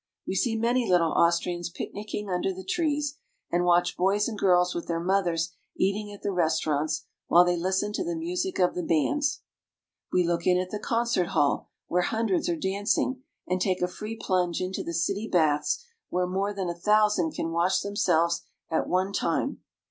We see many little Austrians picnicking under the trees, and watch boys and girls with their mothers eating at the restaurants, while they listen to the music of the bands. CARP. EUROPE — 1 8 288 AUSTRIA HUNGARY. We look in at the concert hall, where hundreds are danc ing, and take a free plunge into the city baths, where more than a thousand can wash themselves at one time.